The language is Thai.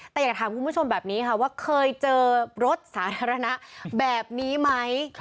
แต่อยากถามคุณผู้ชมแบบนี้ค่ะว่าเคยเจอรถสาธารณะแบบนี้ไหม